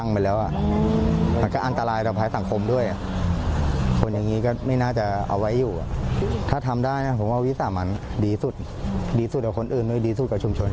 พวกเขาก็อยากให้จับไม่ได้เพื่อนบ้านเขาก็ละแมงกันหมดเลย